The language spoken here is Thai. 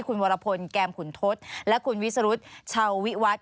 คุณวรพลแก้มขุนทศและคุณวิสรุธชาววิวัฒน์